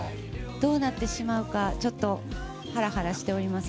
どうなってしまうかちょっとハラハラしております。